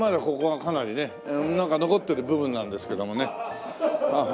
ここがかなりね残ってる部分なんですけどもね。